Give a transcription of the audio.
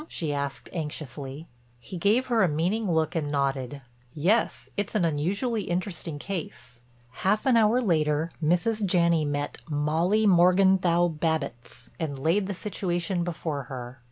she asked anxiously. He gave her a meaning look and nodded; "Yes. It's an unusually interesting case." Half an hour later Mrs. Janney met Molly Morgenthau Babbitts and laid the situation before her.